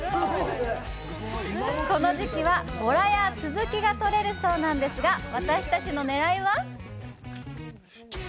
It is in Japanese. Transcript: この時期は、ボラやスズキが取れるそうなんですが私たちの狙いは！